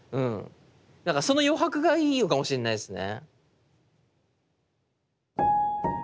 だからその余白がいいのかもしれないですね。